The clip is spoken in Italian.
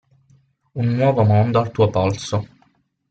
Un nuovo mondo al tuo polso.